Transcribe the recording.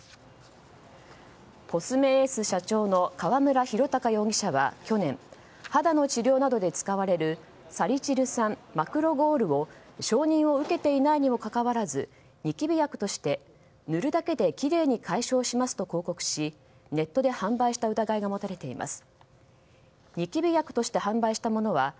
コスメエース社長の河邨弘隆容疑者は去年肌の治療などで使われるサリチル酸マクロゴールを承認を受けていないにもかかわらずニキビ薬として、塗るだけできれいに解消しますと広告しネットで販売した疑いが持たれています。